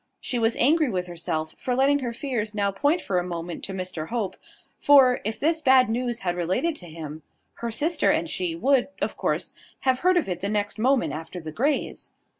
She was angry with herself for letting her fears now point for a moment to Mr Hope; for, if this bad news had related to him, her sister and she would, of course, have heard of it the next moment after the Greys.